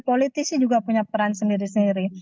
politisi juga punya peran sendiri sendiri